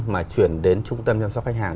mà chuyển đến trung tâm chăm sóc khách hàng